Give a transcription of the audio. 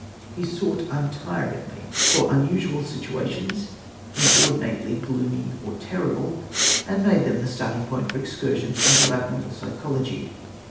He sought untiringly for unusual situations, inordinately gloomy or terrible, and made them the starting point for excursions into abnormal psychology.